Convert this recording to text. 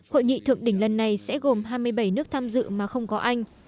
hội nghị thượng đỉnh lần này sẽ gồm hai mươi bảy nước tham dự mà không có anh